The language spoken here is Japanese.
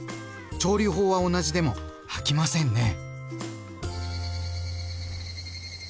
調理法は同じでも飽きませんね。